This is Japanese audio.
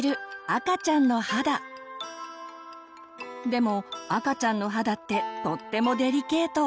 でも赤ちゃんの肌ってとってもデリケート。